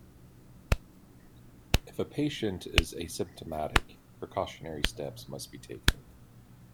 If a patient is asymptomatic, precautionary steps must be taken.